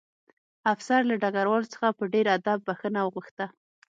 افسر له ډګروال څخه په ډېر ادب بښنه وغوښته